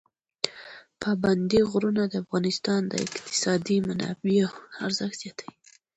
پابندي غرونه د افغانستان د اقتصادي منابعو ارزښت زیاتوي.